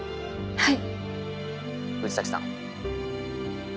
はい。